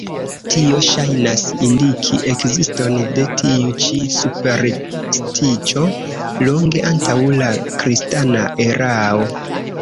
Tio ŝajnas indiki ekziston de tiu ĉi superstiĉo longe antaŭ la kristana erao.